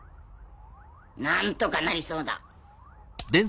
何とかなりそうだ。